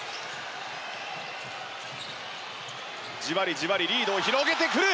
じわりじわりリードを広げてくる。